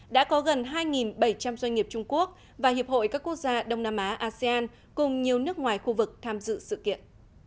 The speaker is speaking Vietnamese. đã có gần hai bảy trăm linh doanh nghiệp trung quốc và hiệp hội các quốc gia đông nam á asean cùng nhiều nước ngoài khu vực tham dự sự kiện